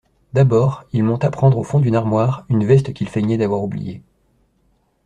D'abord, il monta prendre au fond d'une armoire une veste qu'il feignait d'avoir oubliée.